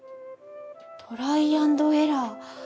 トライアンドエラー。